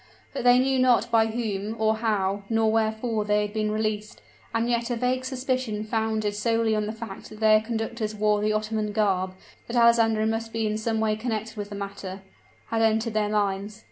But they knew not by whom, or how, nor wherefore they had been released and yet a vague suspicion, founded solely on the fact that their conductors wore the Ottoman garb, that Alessandro must be in some way connected with the matter, had entered their minds.